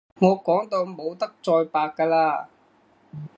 我講到冇得再白㗎喇